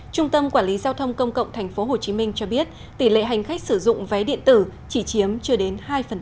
trung tâm quản lý giao thông công cộng tp hcm cho biết tỷ lệ hành khách sử dụng vé điện tử chỉ chiếm chưa đến hai